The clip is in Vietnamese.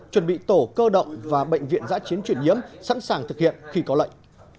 chuẩn bị tổ cơ động và bệnh viện giã chiến chuyển nhiễm sẵn sàng thực hiện khi có lệnh